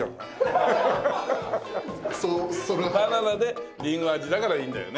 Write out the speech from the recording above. バナナでリンゴ味だからいいんだよね！